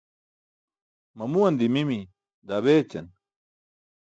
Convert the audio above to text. Mamuwan dimimi daa beećan.